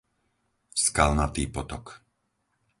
Skalnatý potok